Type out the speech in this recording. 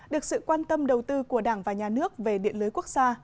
được sự quan tâm đầu tư của đảng và nhà nước về điện lưới quốc gia